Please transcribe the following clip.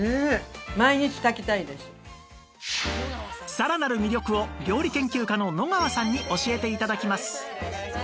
さらなる魅力を料理研究家の野川さんに教えて頂きます